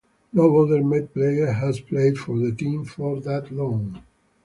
No other Met player has played for the team for that long.